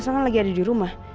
mas al kan lagi ada di rumah